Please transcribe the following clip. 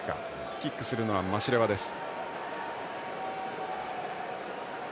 キックするのはマシレワです。